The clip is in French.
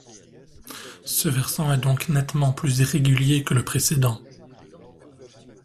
Ce versant est donc nettement plus irrégulier que le précédent.